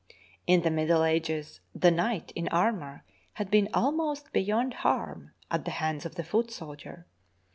In the Middle Ages the knight in armour had been almost beyond harm at the hands of the foot soldier.